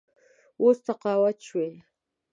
اوس تقاعد شوی.